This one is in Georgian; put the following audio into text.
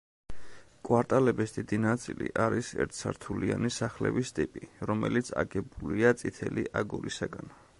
კვარტალების დიდი ნაწილი არის ერთსართულიანი სახლების ტიპი, რომელიც აგებულია წითელი აგურისაგან.